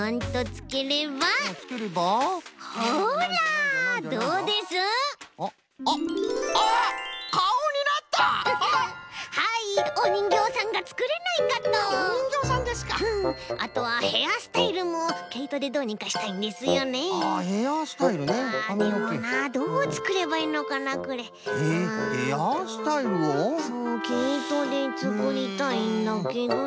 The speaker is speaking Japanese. けいとでつくりたいんだけどな。